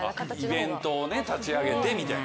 イベントを立ち上げてみたいな。